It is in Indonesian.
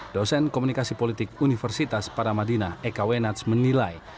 dosen komunikasi politik universitas paramadina eka wenats menilai